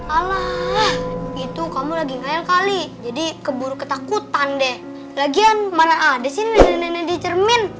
ala itu kamu lagi ngelel kali jadi keburu ketakutan deh lagian mana ada sih nenek nenek dicermin